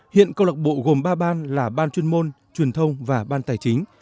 hiện câu lạc bộ gồm ba ban là ban chuyên môn truyền thông và ban tài chính